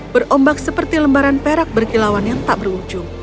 berombak seperti lembaran perak berkilauan yang tak berujung